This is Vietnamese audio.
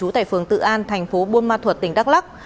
trường tự an thành phố buôn ma thuật tỉnh đắk lắc